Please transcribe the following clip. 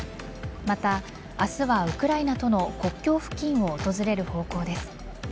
また、明日はウクライナとの国境付近を訪れる方向です。